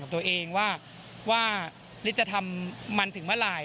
ตัวเองว่าฤทธิ์จะทำมันถึงเมื่อไหร่